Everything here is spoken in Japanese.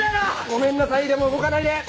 ごめんなさいでも動かないで！